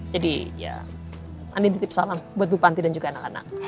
jadi ya andin ditipu salam buat bu panti dan juga anak anak